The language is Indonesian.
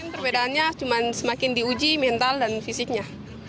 perbedaannya cuma semakin diuji mental dan fisiknya